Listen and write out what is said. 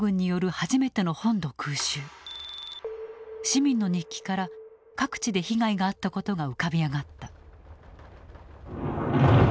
市民の日記から各地で被害があったことが浮かび上がった。